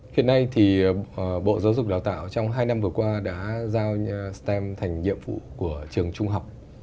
hiện nay thì bộ giáo dục đào tạo trong hai năm vừa qua đã giao stem thành nhiệm vụ của trường trung học